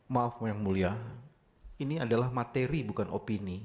maaf yang mulia ini adalah materi bukan opini